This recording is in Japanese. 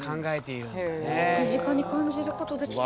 身近に感じることできた。